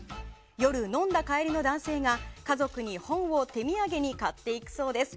夜、飲んだ帰りの男性が家族に本を手土産に買っていくそうです。